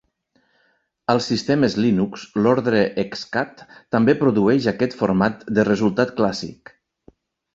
Als sistemes Linux, l'ordre "hexcat" també produeix aquest format de resultat clàssic.